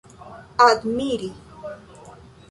admiri